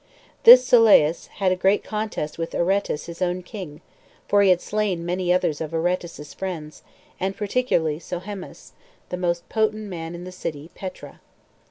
This Sylleus had also a great contest with Aretas his own king; for he had slain many others of Aretas's friends, and particularly Sohemus, the most potent man in the city Petra.